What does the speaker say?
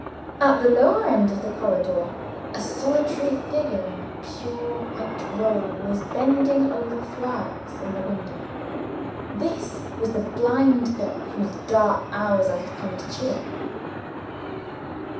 At the lower end of the corridor, a solitary figure in a pure white robe was bending over the flowers in the window. This was the blind girl whose dark hours I had come to cheer.